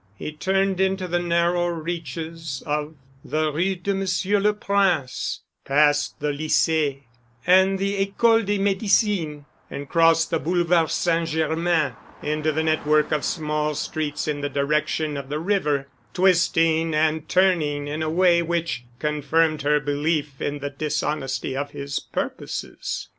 He turned into the narrow reaches of the Rue de Monsieur le Prince, past the Lycée and the École de Médicine, and crossed the Boulevard St. Germain into the network of small streets in the direction of the river, twisting and turning in a way which confirmed her belief in the dishonesty of his purposes.